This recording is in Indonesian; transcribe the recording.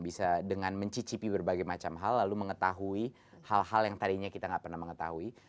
bisa dengan mencicipi berbagai macam hal lalu mengetahui hal hal yang tadinya kita nggak pernah mengetahui